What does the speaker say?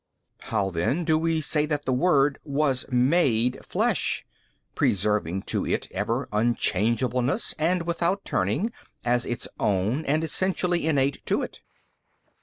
B. How then do we say that the Word WAS MADE flesh, |242 preserving to It ever Unchangeableness and without turning, as Its own and Essentially innate to It?